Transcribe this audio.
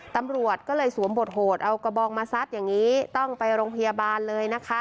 ตำรวจก็เลยสวมบทโหดเอากระบองมาซัดอย่างนี้ต้องไปโรงพยาบาลเลยนะคะ